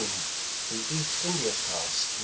THE EAST INDIA PASS NO.